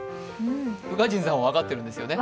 宇賀神さんは分かってるんですよね。